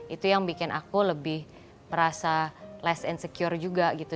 itu yang bikin aku lebih merasa less insecure juga gitu